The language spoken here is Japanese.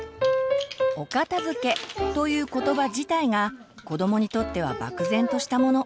「お片づけ」という言葉自体が子どもにとっては漠然としたもの。